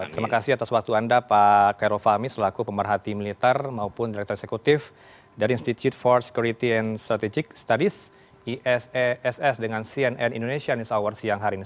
terima kasih atas waktu anda pak karo fahmi selaku pemerhati militer maupun direktur eksekutif dari institute for security and strategic studies isess dengan cnn indonesia news hour siang hari ini